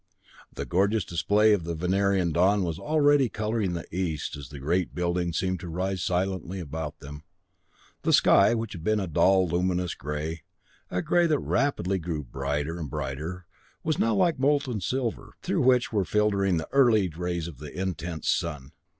The gorgeous display of a Venerian dawn was already coloring the east as the great buildings seemed to rise silently about them. The sky, which had been a dull luminous gray, a gray that rapidly grew brighter and brighter, was now like molten silver, through which were filtering the early rays of the intense sun.